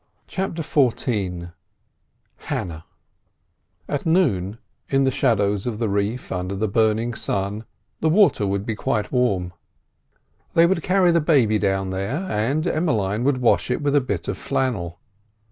CHAPTER XIV HANNAH At noon, in the shallows of the reef, under the burning sun, the water would be quite warm. They would carry the baby down here, and Emmeline would wash it with a bit of flannel.